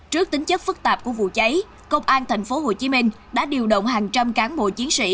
trước tính chất phức tạp của vụ cháy công an tp hcm đã điều động hàng trăm cán bộ chiến sĩ